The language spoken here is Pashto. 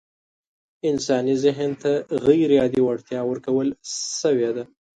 انساني ذهن ته غيرعادي وړتيا ورکول شوې ده.